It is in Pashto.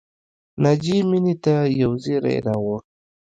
ناجیې مینې ته یو زېری راوړ